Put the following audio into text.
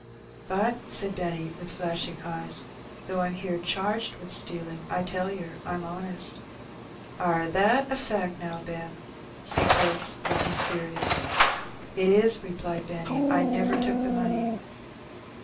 "But," said Benny, with flashing eyes, "though I'm here charged with stealing, I tell yer I'm honest" "Are that a fact now, Ben?" said Perks, looking serious. "It is," replied Benny; "I never took the money."